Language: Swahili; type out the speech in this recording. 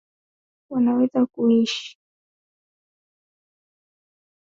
wanaweza kuishi muda mrefu kuliko inavyozaniwa